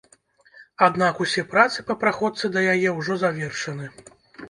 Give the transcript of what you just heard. Аднак усе працы па праходцы да яе ўжо завершаны.